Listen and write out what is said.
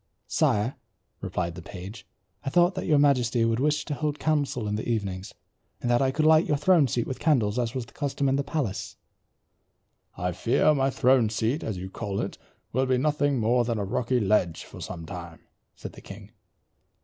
"Sire," replied the page, "I thought that your majesty would wish to hold council in the evenings, and that I could light your throne seat with candles as was the custom in the palace." "I fear my throne seat, as you call it, will be nothing more than a rocky ledge for some time," said the king.